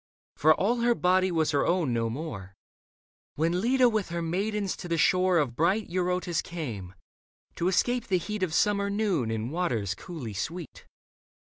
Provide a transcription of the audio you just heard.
For all her body was her own no more), When Leda with her maidens to the shore Of bright Eurotas came, to escape the heat Of summer noon in waters coolly sweet.